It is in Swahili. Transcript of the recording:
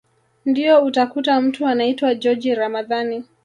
Ndio utakuta mtu anaitwa joji Ramadhani